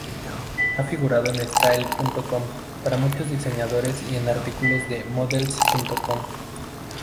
Ha figurado en Style.com para muchos diseñadores y en artículos de Models.com.